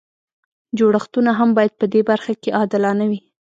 جوړښتونه هم باید په دې برخه کې عادلانه وي.